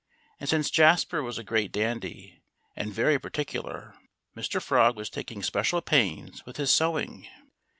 And since Jasper was a great dandy, and very particular Mr. Frog was taking special pains with his sewing.